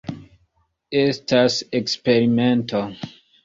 Estas eksperimento.